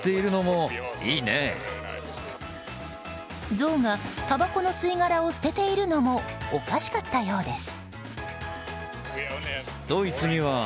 ゾウがたばこの吸殻を捨てているのもおかしかったようです。